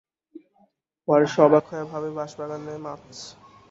পরে সে অবাক হইয়া ভাবে-বাঁশাবাগানে মাছ!